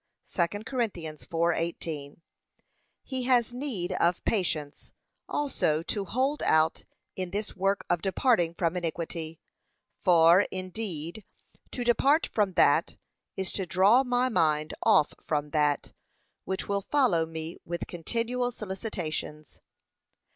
(2 Cor. 4:18) He has need of patience also to hold out in this work of departing from iniquity. For, indeed, to depart from that, is to draw my mind off from that, which will follow me with continual solicitations.